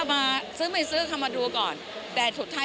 วันนี้ซื้อเยอะเลย